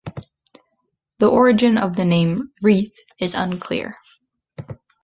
The origin of the name "Reeth" is unclear.